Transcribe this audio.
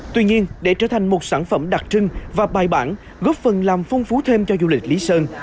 tuy nhiên để trở thành một sản phẩm đặc trưng và bài bản góp phần làm phong phú thêm cho du lịch lý sơn